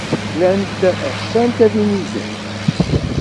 Llant ɣsent ad inigent.